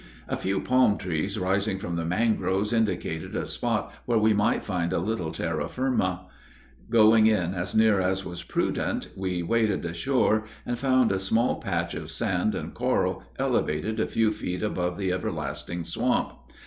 A few palm trees rising from the mangroves indicated a spot where we might find a little terra firma. Going in as near as was prudent, we waded ashore, and found a small patch of sand and coral elevated a few feet above the everlasting swamp.